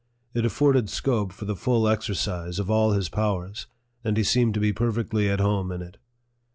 It afforded scope for the full exercise of all his powers, and he seemed to be perfectly at home in it.